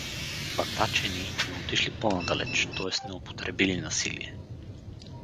Батачени не отишли по-надалеч, т.е. не употребили насилие.